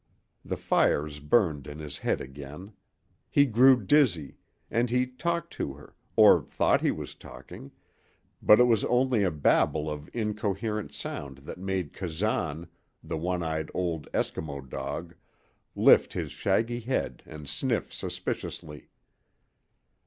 The fires burned in his head again. He grew dizzy, and he talked to her, or thought he was talking, but it was only a babble of incoherent sound that made Kazan, the one eyed old Eskimo dog, lift his shaggy head and sniff suspiciously.